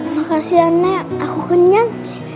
makasih ya nek aku kenyang